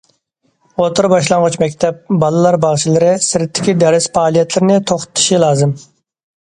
ئوتتۇرا- باشلانغۇچ مەكتەپ، بالىلار باغچىلىرى سىرتتىكى دەرس پائالىيەتلىرىنى توختىتىشى لازىم.